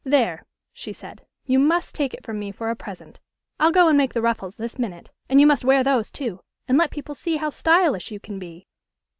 "There!" she said. "You must take it from me for a present. I'll go and make the ruffles this minute; and you must wear those too, and let people see how stylish you can be."